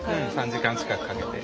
３時間近くかけて。